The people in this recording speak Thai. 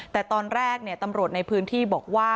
แต่ตอนแรกตำรวจในพื้นที่บอกว่า